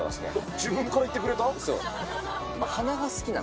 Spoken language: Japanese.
自分から言ってくれた？